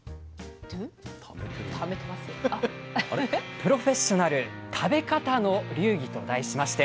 「プロフェッショナル食べ方の流儀」と題しまして。